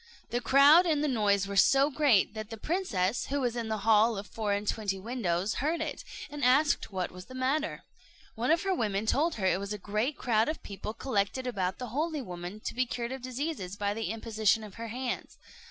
The crowd and the noise were so great that the princess, who was in the hall of four and twenty windows, heard it, and asked what was the matter. One of her women told her it was a great crowd of people collected about the holy woman to be cured of diseases by the imposition of her hands.